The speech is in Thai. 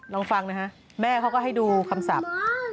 ลองฟังนะฮะแม่เขาก็ให้ดูคำศัพท์